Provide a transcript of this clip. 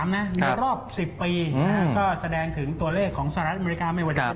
มีรอบ๑๐ปีก็แสดงถึงตัวเลขของสหรัฐอเมริกาไม่ว่าจะพิเศษ